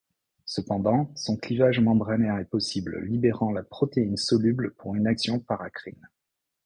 Cependant, son clivage membranaire est possible libérant la protéine soluble pour une action paracrine.